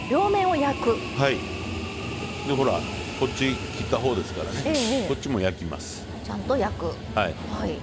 ほら、こっち切ったほうですからこっちも焼きます。